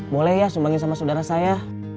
boleh ya sumbangin sama saudara saya